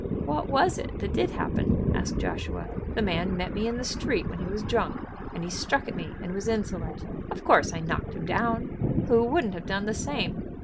"What was it that did happen?" asked Joshua. "The man met me in the street when he was drunk, and he struck at me and was insolent. Of course I knocked him down. Who wouldn't have done the same?